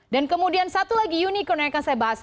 dan kemudian satu lagi unicorn yang akan saya bahas